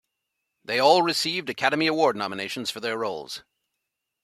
They all received Academy Award nominations for their roles.